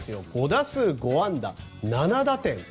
５打数５安打７打点。